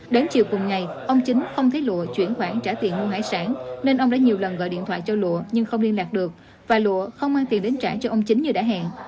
đến chiều cùng ngày ông chính không thấy lụa chuyển khoản trả tiền mua hải sản nên ông đã nhiều lần gọi điện thoại cho lụa nhưng không liên lạc được và lụa không mang tiền đến trả cho ông chính như đã hẹn